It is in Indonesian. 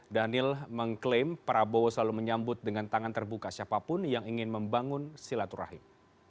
daniel mengklaim prabowo selalu menyambut dengan tangan terbuka siapapun yang ingin membangun silaturahim